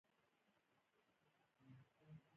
د پروان او کاپیسا د انګورو باغونه مشهور دي.